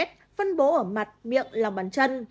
phân bố ở mặt miệng lòng bàn chân